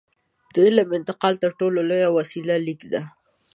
د علم د انتقال تر ټولو لویه وسیله لیک ده.